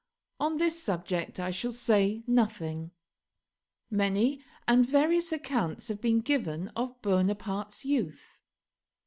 On this subject I shall say nothing. Many and various accounts have been given of Bonaparte's youth.